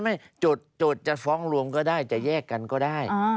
ไม่จดจะฟ้องรวมก็ได้จะแยกกันก็ได้